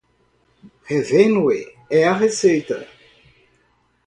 Revenue é a receita.